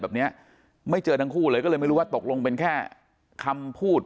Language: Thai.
แบบเนี้ยไม่เจอทั้งคู่เลยก็เลยไม่รู้ว่าตกลงเป็นแค่คำพูด